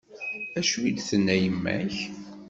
Acu d-tenna yemma-k?